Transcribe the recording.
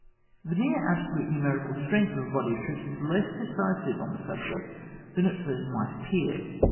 The mere absolute numerical strength of a body of troops is less decisive on the subject than might at flrst appear.